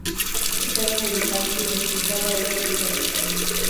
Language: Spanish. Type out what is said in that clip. Esteban de Bizancio identificaba Egas con Caristo.